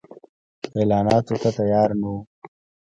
اعلانولو ته تیار نه وو.